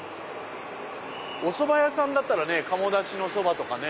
おそば屋さんだったらね鴨だしのそばとかね。